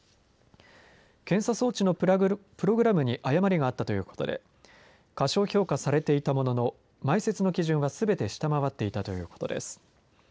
検査装置のプログラムに誤りがあったということで過小評価されていたものの埋設の基準はすべて下回っていたということです。